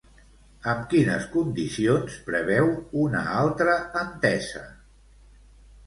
Amb quines condicions preveu una altra entesa?